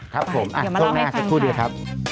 ครับผมโทรมาให้ฟังค่ะ